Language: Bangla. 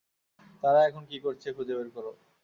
তারা এখন কি করছে খুঁজে বের কর।